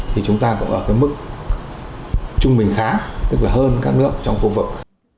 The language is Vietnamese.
thì chúng ta cũng ở cái mức trung bình khá tức là hơn các nước trong khu vực